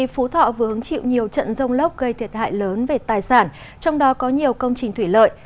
phú thọ vừa hứng chịu nhiều trận rông lốc gây thiệt hại lớn về tài sản trong đó có nhiều công trình thủy lợi